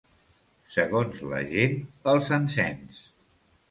Segons la gent, els encens.